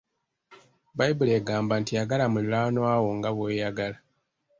Bbayibuli egamba nti yagala muliraanwa wo nga bwe weeyagala.